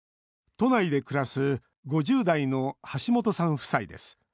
都内で暮らす５０代の橋本さん夫妻です。